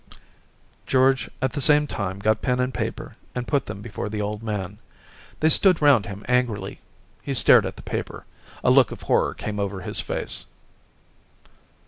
George at the same time got pen and paper and put them before the old man. They stood round him angrily. He stared at the paper ; a look of horror came over his face.